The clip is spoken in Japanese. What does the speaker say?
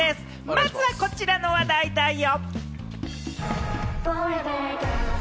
まずはこちらの話題だよ。